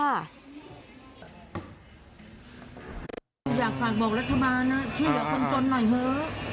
อยากฝากบอกรัฐบาลนะช่วยเหลือคนจนหน่อยเถอะ